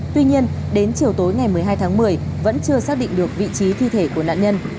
tuy nhiên đến chiều tối ngày một mươi hai tháng một mươi vẫn chưa xác định được vị trí thi thể của nạn nhân